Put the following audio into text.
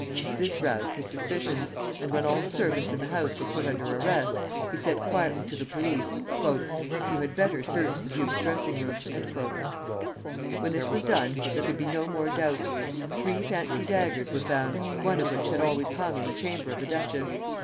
This roused his suspicions, and when all the servants in the house were put under arrest, he said quietly to the police: "You had better search the duke's dressing room." When this was done there could be no more doubt. Three fancy daggers were found, one of which had always hung in the chamber of the duchess.